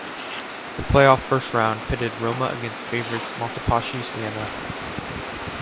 The playoff first round pitted Roma against favorites Montepaschi Siena.